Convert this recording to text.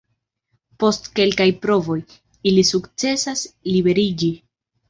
Post kelkaj provoj, ili sukcesas liberiĝi.